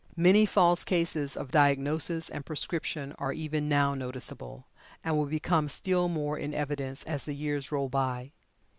Many false cases of diagnosis and prescription are even now noticeable, and will become still more in evidence as the years roll by.